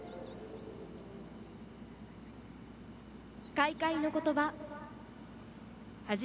開会のことば。